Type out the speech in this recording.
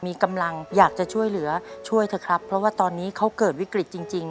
มีกำลังอยากจะช่วยเหลือช่วยเถอะครับเพราะว่าตอนนี้เขาเกิดวิกฤตจริงจริง